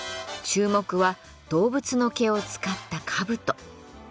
注目は動物の毛を使った兜。